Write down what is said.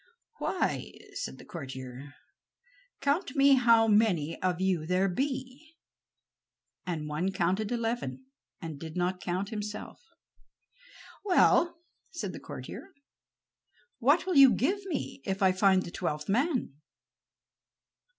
"Why," said the courtier, "count me how many of you there be," and one counted eleven and did not count himself. "Well," said the courtier, "what will you give me if I find the twelfth man?"